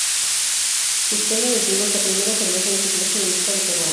Cusqueña de trigo es la primera cerveza de su clase en el mercado peruano.